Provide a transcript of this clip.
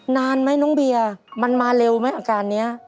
นานไหมน้องเบียร์มันมาเร็วไหมอาการนี้